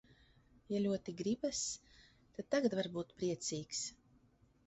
Ja ļoti gribas, tad tagad var būt priecīgs.